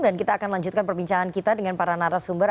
dan kita akan lanjutkan perbincangan kita dengan para narasumber